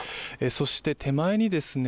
そして手前にですね